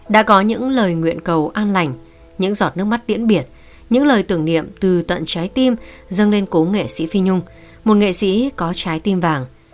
đã có những lời nguyện cầu an lành những giọt nước mắt tiễn biệt những lời tưởng niệm từ tận trái tim dâng lên cố nghệ sĩ phi nhung một nghệ sĩ có trái tim vàng